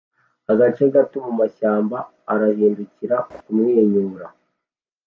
agace gato mumashyamba arahindukira kumwenyura